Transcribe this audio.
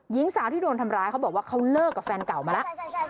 หญิงสาวที่โดนทำร้ายเขาบอกว่าเขาเลิกกับแฟนเก่ามาแล้ว